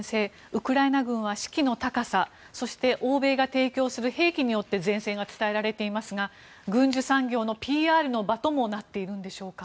ウクライナ軍は士気の高さそして欧米が提供する兵器によって善戦が伝えられていますが軍需産業のＰＲの場ともなっているんでしょうか。